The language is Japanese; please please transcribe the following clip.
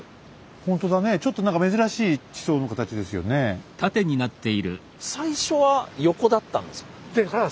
ほんとだねちょっと何か珍しい地層の形ですよね。